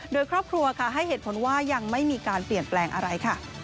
โดยครอบครัวค่ะให้เหตุผลว่ายังไม่มีการเปลี่ยนแปลงอะไรค่ะ